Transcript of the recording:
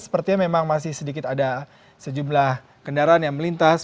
sepertinya memang masih sedikit ada sejumlah kendaraan yang melintas